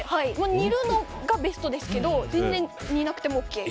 煮るのがベストですけど全然、煮なくてもＯＫ。